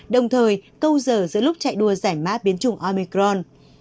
đồng thời câu giờ giữa lúc chạy đua giải mã biến chủng omicron